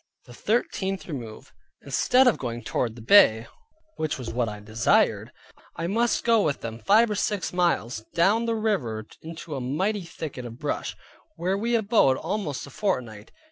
THE THIRTEENTH REMOVE Instead of going toward the Bay, which was that I desired, I must go with them five or six miles down the river into a mighty thicket of brush; where we abode almost a fortnight.